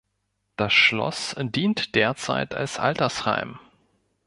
Das Schloss dient derzeit als Altersheim.